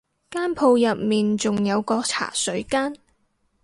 個鋪入面仲有個茶水間